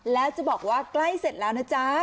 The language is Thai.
แล้วจะบอกว่าใกล้เสร็จแล้วนะจ๊ะ